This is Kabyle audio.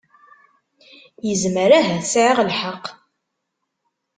Yezmer ahat sɛiɣ lḥeqq.